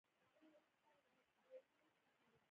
دوولس تومنه د سید لپاره ډېرې لږې پیسې وې.